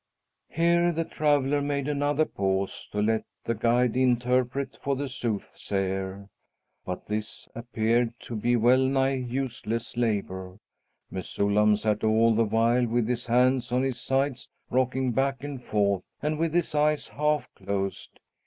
Here the traveller made another pause to let the guide interpret for the soothsayer. But this appeared to be well nigh useless labor. Mesullam sat all the while, with his hands on his sides, rocking back and forth, and with his eyes half closed.